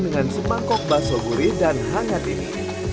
dengan semangkok bakso gurih dan hangat ini